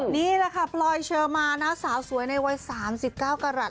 นี่แหละค่ะพลอยเชอร์มานะสาวสวยในวัย๓๙กรัฐ